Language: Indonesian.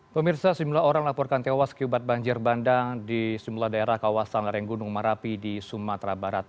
pemirsa sejumlah orang laporkan tewas akibat banjir bandang di sejumlah daerah kawasan lereng gunung merapi di sumatera barat